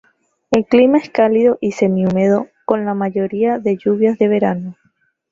El clima es cálido y semi húmedo, con la mayoría de lluvias de verano.